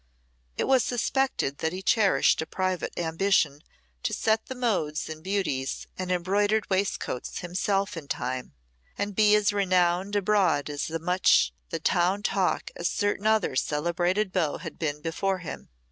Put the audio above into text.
It was suspected that he cherished a private ambition to set the modes in beauties and embroidered waistcoats himself in time, and be as renowned abroad and as much the town talk as certain other celebrated beaux had been before him.